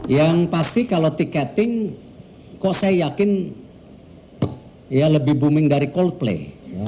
yang pasti kalau tiketing kok saya yakin lebih booming dari coldplay